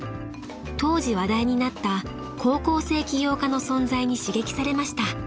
［当時話題になった高校生起業家の存在に刺激されました］